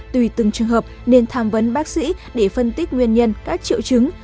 tùy từng trường hợp nên tham vấn bác sĩ để phân tích nguyên nhân các triệu chứng